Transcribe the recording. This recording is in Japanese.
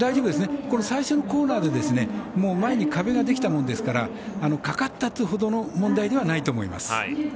最初のコーナーで前に壁ができたものですからかかったってほどの問題ではないと思います。